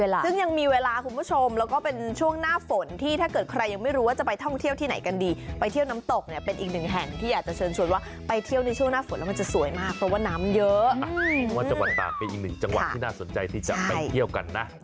แล้วก็ได้ถ่ายกับทุ่งดอก